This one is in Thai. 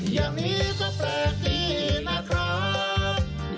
อย่างนี้ก็แปลกดีนะครับ